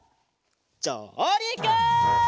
じょうりく！